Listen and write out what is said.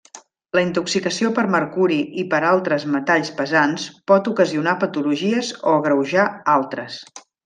La intoxicació per mercuri i per altres metalls pesants pot ocasionar patologies o agreujar altres.